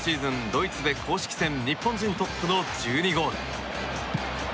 ドイツで公式戦日本人トップの１２ゴール。